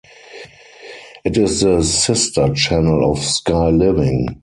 It is the sister channel of Sky Living.